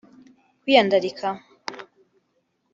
Kwiyandarika